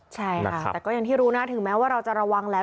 ใช่ค่ะแต่ก็อย่างที่รู้นะถึงแม้ว่าเราจะระวังแล้ว